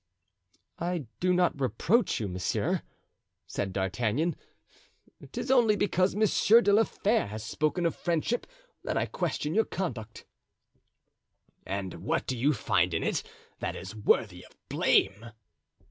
"I do not reproach you, monsieur," said D'Artagnan; "'tis only because Monsieur de la Fere has spoken of friendship that I question your conduct." "And what do you find in it that is worthy of blame?"